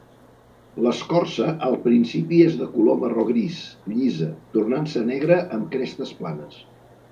L'escorça, al principi és de color marró gris, llisa, tornant-se negra amb crestes planes.